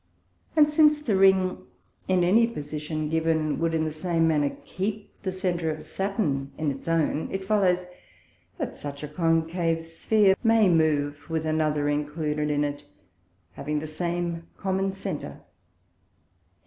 And since the Ring, in any Position given, would, in the same manner, keep the Centre of Saturn in its own, it follows, that such a Concave Sphere may move with another included in it, having the same common Centre.